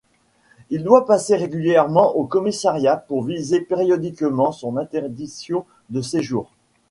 Il doit passer régulièrement au commissariat pour viser périodiquement son interdiction de séjour.